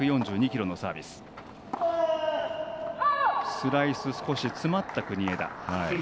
スライス少し詰まった、国枝。